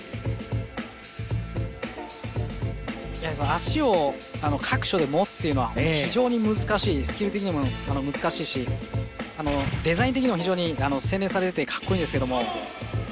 足を各所で持つっていうのは非常に難しいスキル的にも難しいし、デザイン的にも非常に洗練されててかっこいいんですけども。